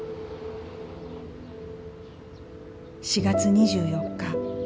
４月２４日